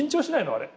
あれ。